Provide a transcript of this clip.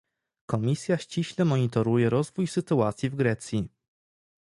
Komisja ściśle monitoruje rozwój sytuacji w Grecji